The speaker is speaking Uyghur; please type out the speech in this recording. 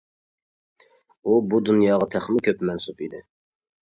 ئۇ بۇ دۇنياغا تېخىمۇ كۆپ مەنسۇپ ئىدى.